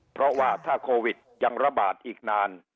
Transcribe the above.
เพราะว่าถ้าโควิดยังระบาดอีกนาน